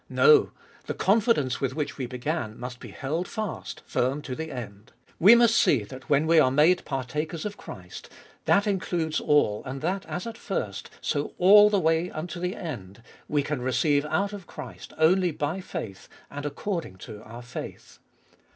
No, the confidence with which we began must be held fast firm to the end. We must see that when we are made partakers of Christ, that includes all, and that as at first, so all the way unto the end, we can receive out of Christ only by faith and according to our faith.